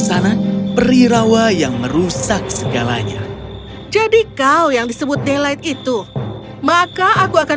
sana perirawa yang merusak segalanya jadi kau yang disebut day light itu maka aku akan